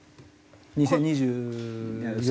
２０２４年。